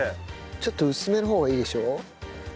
ちょっと薄めの方がいいでしょ？